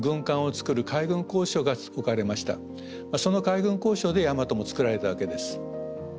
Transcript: その海軍工廠で大和も造られたわけです。